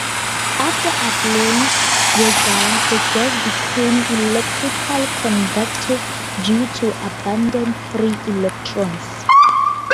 After avalanche breakdown, the gas becomes electrically conductive due to abundant free electrons.